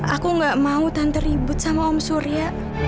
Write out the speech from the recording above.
aku gak mau tante ribut sama om surya